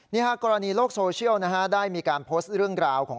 กรณีโลกโซเชียลนะฮะได้มีการโพสต์เรื่องราวของ